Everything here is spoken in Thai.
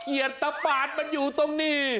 เขียตปาดมันอยู่ตรงนี้